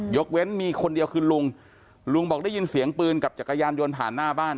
ยกเว้นมีคนเดียวคือลุงลุงบอกได้ยินเสียงปืนกับจักรยานยนต์ผ่านหน้าบ้าน